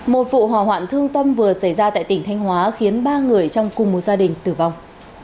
một vụ hỏa hoạn thương tâm vừa xảy ra tại tỉnh thanh hóa khiến ba người trong cùng một gia đình tử vong